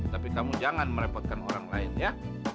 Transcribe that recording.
tapi kamu jangan merepotkan orang lain ya